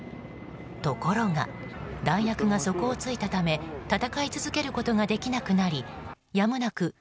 ところが、弾薬が底をついたため戦い続けることができなくなりやむなく